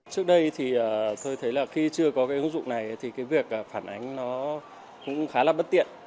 trước đây thì tôi thấy là khi chưa có cái ứng dụng này thì cái việc phản ánh nó cũng khá là bất tiện